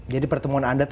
jadi pertemuan anda